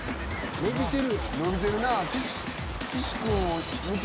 のびてる！